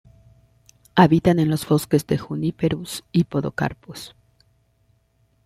Habitan en los bosques de "Juniperus" y "Podocarpus".